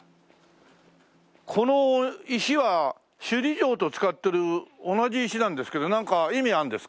この石は首里城と使ってる同じ石なんですけどなんか意味あるんですか？